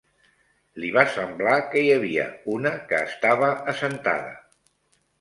Li va semblar que hi havia una que estava assentada